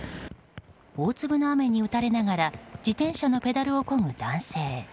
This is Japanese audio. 大粒の雨に打たれながら自転車のペダルを漕ぐ男性。